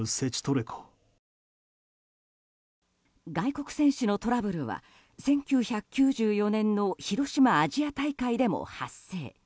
外国選手のトラブルは１９９４年の広島アジア大会でも発生。